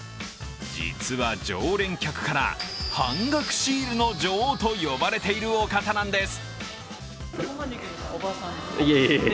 実は常連客から半額シールの女王と呼ばれているお方なんです。